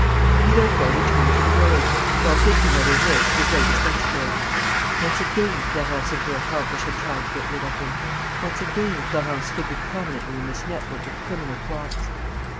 He therefore returned to the village, while thinking over this, his latest exploit. Once again Florence and her accomplice had tried to get rid of him. Once again Florence figured prominently in this network of criminal plots.